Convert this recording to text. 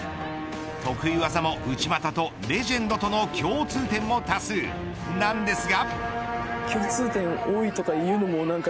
得意技も、内股とレジェンドとの共通点も多数なんですが。